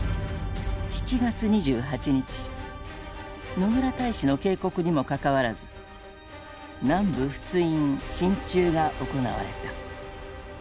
野村大使の警告にもかかわらず南部仏印進駐が行われた。